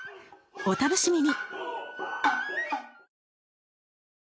お楽しみに！